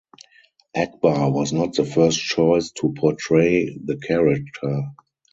Akbar was not the first choice to portray the character.